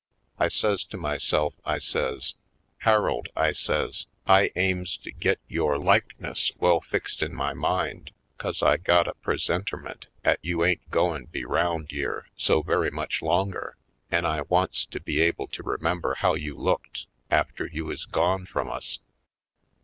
I says to myself, I says : ^'Harold," I says, "I aims to git yore like ness well fixed in my mind 'cause I got a presentermint 'at you ain't goin' be 'round yere so very much longer an' I wants to be able to remember how you looked, after you is gone frum us.